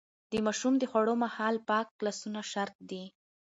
د ماشوم د خوړو مهال پاک لاسونه شرط دي.